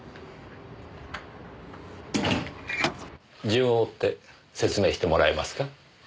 順を追って説明してもらえますか？